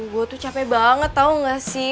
gue tuh capek banget tau gak sih